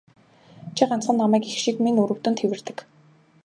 Чи ганцхан намайг эх шиг минь өрөвдөн тэвэрдэг.